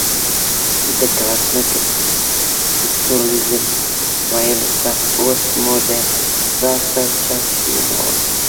د کاسمک سېکسوليزم ويلو پس اوس مو د راز صاحب چاپ شوى ناول